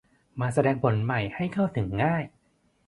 มาแสดงผลใหม่ให้เข้าถึงง่าย